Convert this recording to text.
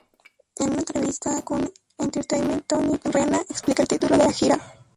En una entrevista con Entertainment Tonight, Rihanna explica el título de la gira.